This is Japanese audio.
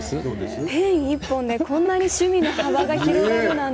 ペン１本でこんなに趣味の幅が広がるなんて。